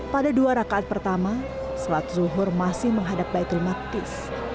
pada dua rakaat pertama sholat zuhur masih menghadap baitul maqdis